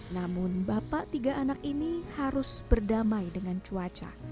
namun bapak tiga anak ini harus berdamai dengan cuaca